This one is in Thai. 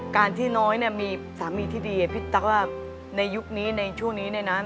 การที่น้อยมีสามีที่ดีพี่ตั๊กว่าในยุคนี้ในช่วงนี้ในนั้น